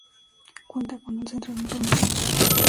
Cuenta con un centro de información.